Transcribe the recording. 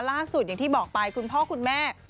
อย่างที่บอกไปคุณพ่อคุณแม่